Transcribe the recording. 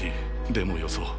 でもよそう。